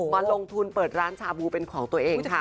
มาลงทุนเปิดร้านชาบูเป็นของตัวเองค่ะ